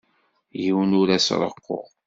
Yiwen ur as-reqquɣ.